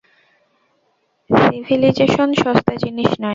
Civilisation সস্তা জিনিস নয়।